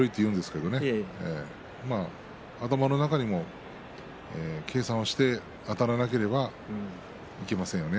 玉鷲も頭の中に計算してあたらなければいけませんよね。